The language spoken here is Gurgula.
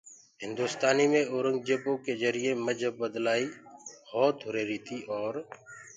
هندُستانيٚ مي اورنٚگجيبو ڪي جَريٚئيٚ مجهب بلآئي ڀوت هُريهريِٚ تيٚ اور